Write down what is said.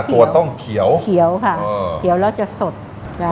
แถวพันเดียวต้องเขียวต้องจะสะเกลือวที่ได้